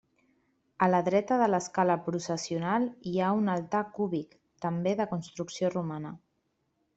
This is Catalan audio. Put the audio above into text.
A la dreta de l'escala processional hi ha un altar cúbic, també de construcció romana.